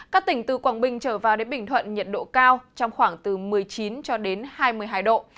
các tỉnh từ quảng bình trở vào đến bình thuận nhiệt độ cao trong khoảng từ một mươi chín cho đến hai mươi hai độ